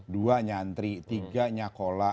dua nyantri tiga nyakola